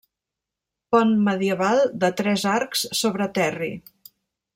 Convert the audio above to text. Pont medieval de tres arcs sobre Terri.